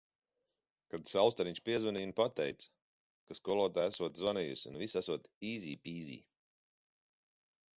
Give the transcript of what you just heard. Kad Saulstariņš piezvanīja un pateica, ka skolotāja esot zvanījusi un viss esot "īzī pīzī".